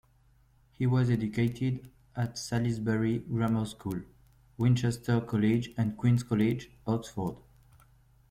He was educated at Salisbury grammar school, Winchester College and Queen's College, Oxford.